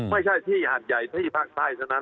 ไม่ใช่ที่หาดใหญ่ที่ภาคใต้เท่านั้น